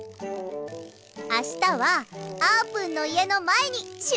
あしたはあーぷんのいえのまえにしゅうごうよ。